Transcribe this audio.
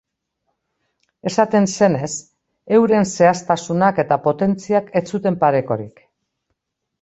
Esaten zenez, euren zehaztasunak eta potentziak ez zuten parekorik.